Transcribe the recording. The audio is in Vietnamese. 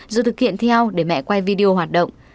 rồi thực hiện theo để mẹ quay video hoạt động